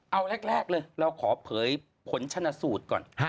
เอาแรกเลยเราขอเผยผลชนะสูตรก่อน